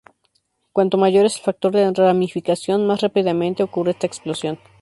Cuanto mayor es el factor de ramificación, más rápidamente ocurre esta "explosión".